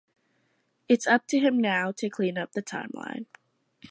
Its up to him now to clean up the timeline.